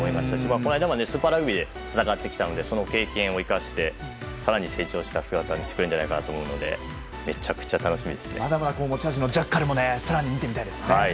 この間も、スーパーラグビーで戦ってきたのでその経験を生かして更に成長した姿を見せてくれるんじゃないかと思うので持ち味のジャッカルも更に見てみたいですね。